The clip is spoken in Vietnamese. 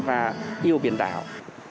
và yêu biển đảo